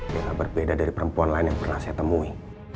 beda berbeda dari perempuan lain yang pernah saya temui